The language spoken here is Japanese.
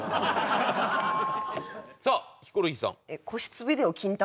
さあヒコロヒーさん。